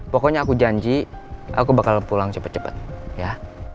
pokoknya aku janji aku bakal pulang cepet cepet ya